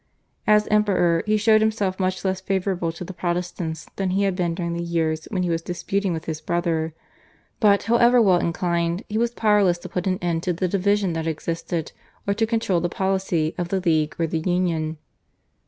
As Emperor he showed himself much less favourable to the Protestants than he had been during the years when he was disputing with his brother, but, however well inclined, he was powerless to put an end to the division that existed or to control the policy of the /League/ or the /Union